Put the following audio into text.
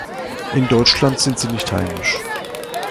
In Deutschland sind sie nicht heimisch.